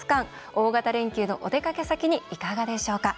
大型連休のお出かけ先にいかがでしょうか。